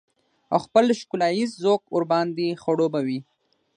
او خپل ښکلاييز ذوق ورباندې خړوبه وي.